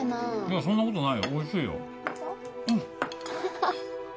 そんなことないよおいしいよホント？